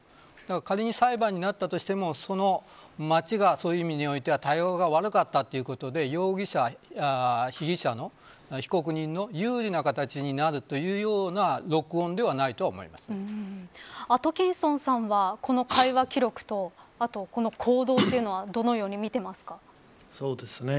仮に裁判になったとしても町がそういう意味においては対応が悪かったということで被疑者、被告人の優位な形になるというようなアトキンソンさんはこの会話記録とこの行動というのはどのように見ていますか。